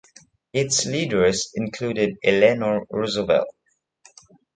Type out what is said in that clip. Its leaders included Eleanor Roosevelt.